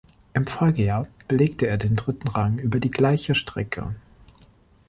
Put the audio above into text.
Im Folgejahr belegte er den dritten Rang über die gleiche Strecke.